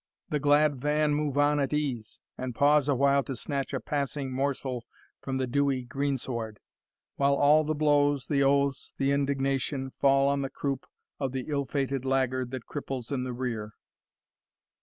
The glad van Move on at ease, and pause a while to snatch A passing morsel from the dewy greensward, While all the blows, the oaths, the indignation, Fall on the croupe of the ill fated laggard That cripples in the rear.